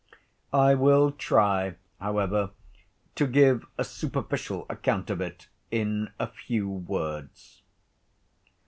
I will try, however, to give a superficial account of it in a few words.